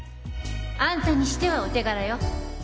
あんたにしてはお手柄よ。